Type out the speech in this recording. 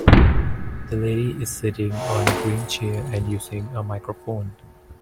The lady is sitting on a green chair and using a microphone.